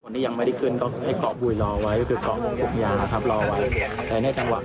คนนี้ยังไม่ได้ขึ้นก็ให้เกาะบุยรอไว้